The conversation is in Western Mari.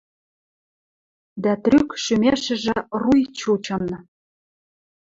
дӓ трӱк шӱмешӹжӹ руй чучын.